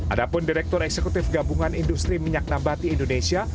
adapun direktur eksekutif gabungan industri minyak nabati indonesia